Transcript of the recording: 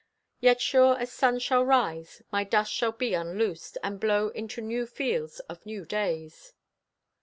"Yet sure as sun shall rise, my dust shall be unloosed, and blow into new fields of new days."